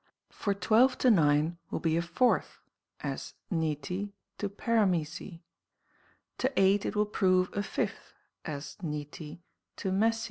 For 12 to 9 will be a fourth, as nete to paramese. To eight it will prove a fifth, as nete to mese.